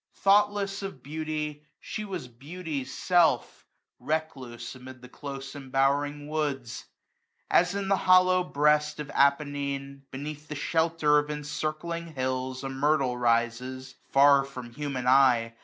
Thoughtless of beauty, she was beauty's self. Recluse amid the close embowering woods. As in the hollow breast of Appenine, Beneath the shelter of encircling hills, . 21a A myrtle rises, far from human eye.